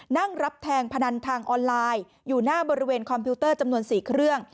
นั่งรับแทงพนันทางออนไลน์อยู่หน้าบริเวณคอมพิวเตอร์จำนวน๔เครื่อง